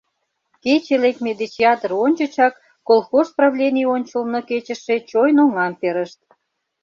Кече лекме деч ятыр ончычак колхоз правлений ончылно кечыше чойн оҥам перышт.